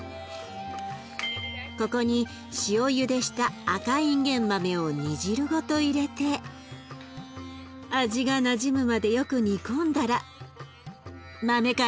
ここに塩ゆでした赤いんげん豆を煮汁ごと入れて味がなじむまでよく煮込んだら豆カレーの出来上がり。